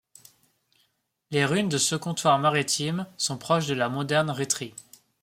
Les ruines de ce comptoir maritime sont proches de la moderne Ritri.